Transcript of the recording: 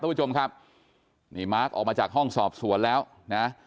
ผู้ชมครับนี่มาร์คออกมาจากห้องสอบสวนแล้วนะ